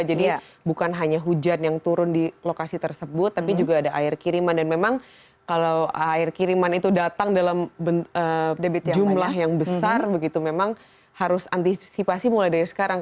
jadi bukan hanya hujan yang turun di lokasi tersebut tapi juga ada air kiriman dan memang kalau air kiriman itu datang dalam jumlah yang besar begitu memang harus antisipasi mulai dari sekarang